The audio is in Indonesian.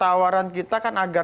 agar proses ini berjalan keluar